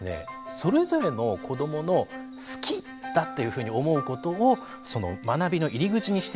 それぞれの子どもの好きだっていうふうに思うことを学びの入口にしていく。